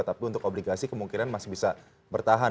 tapi untuk obligasi kemungkinan masih bisa bertahan